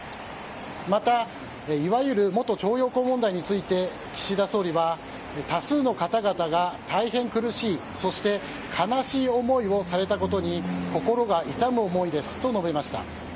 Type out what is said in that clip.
また、いわゆる元徴用工問題について岸田総理は多数の方々が大変苦しいそして悲しい思いをされたことに心が痛む思いですと述べました。